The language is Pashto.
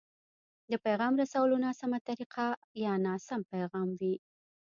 د پيغام رسولو ناسمه طريقه يا ناسم پيغام وي.